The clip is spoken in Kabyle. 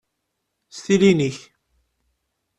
S tilin-ik!